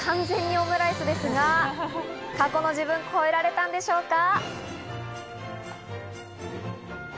見た目、完全にオムライスですが、過去の自分を超えられたんでしょうか？